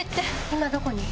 今どこに？